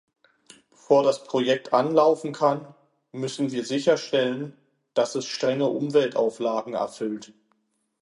Bevor das Projekt anlaufen kann, müssen wir sicherstellen, dass es strenge Umweltauflagen erfüllt.